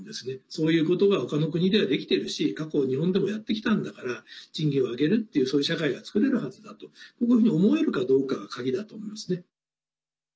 そういうことが他の国ではできてるし過去、日本でもやってきたんだから賃金を上げるっていうそういう社会が作れるはずだとこういうふうに思えるかどうかが鍵だと思いますね。